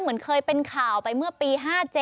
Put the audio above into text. เหมือนเคยเป็นข่าวไปเมื่อปี๕๗